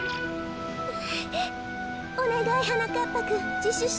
おねがいはなかっぱくんじしゅして。